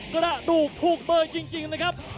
กระดูกถูกเบอร์จริงนะครับ